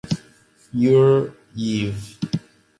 Yuryev.